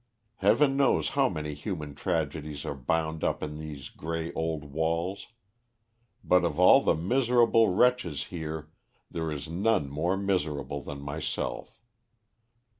Heaven knows how many human tragedies are bound up in these gray old walls. But of all the miserable wretches here there is none more miserable than myself.